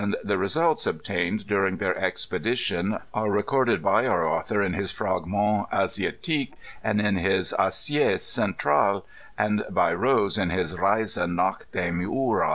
V the results obtained duimg their expedition are recorded by our author in his Fragments AsiatiqueSy and in his Asie Centrale, and by Kose in his Reise nadi dem Ourcd.